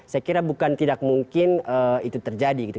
saya kira bukan tidak mungkin itu terjadi gitu